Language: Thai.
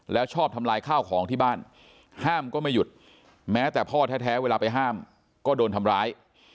แล้วชอบทำลายข้าวของที่บ้านห้ามก็ไม่หยุดแม้แต่พ่อแท้เวลาไปห้ามก็โดนทำร้าย